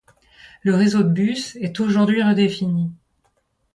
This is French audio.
Le réseau de bus est aujourd’hui redéfini.